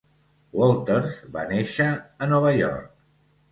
Walters va néixer a Nova York.